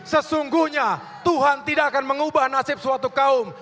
sesungguhnya tuhan tidak akan mengubah nasib suatu kaum